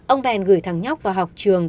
ông bèn gửi thằng nhóc vào học trường